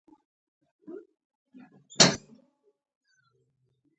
د مینځه وړم